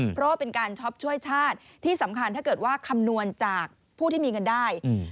เพราะว่าเป็นการช็อปช่วยชาติที่สำคัญถ้าเกิดว่าคำนวณจากผู้ที่มีเงินได้